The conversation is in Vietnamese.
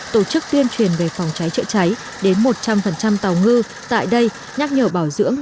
tổ chức tuyên truyền về phòng cháy chữa cháy đến một trăm linh tàu ngư tại đây nhắc nhở bảo dưỡng